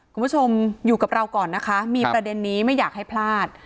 คุณผู้ชมอยู่กับเราก่อนนะคะมีประเด็นนี้ไม่อยากให้พลาด